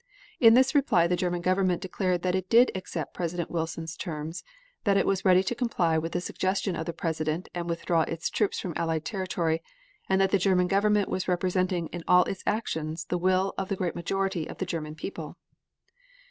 In this reply the German Government declared that it did accept President Wilson's terms; that it was ready to comply with the suggestion of the President and withdraw its troops from Allied territory, and that the German Government was representing in all its actions the will of the great majority of the German people.